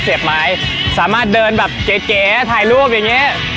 ไม้สามารถเดินแบบเก๋ถ่ายรูปอย่างเงี้ย